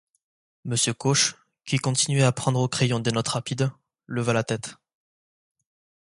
Monsieur Cauche, qui continuait à prendre au crayon des notes rapides, leva la tête.